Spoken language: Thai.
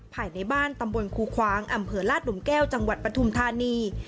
ภายในบ้านตำบลคูคว้างอำเภอลาดหลุมแก้วจังหวัดปฐุมธานี